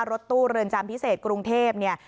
รถตู้เรือนจำพิเศษกรุงเทพเนี่ย